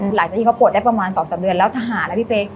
หลังจากที่เขาปวดได้ประมาณ๒๓เดือนแล้วทหารนะพี่เป๊ก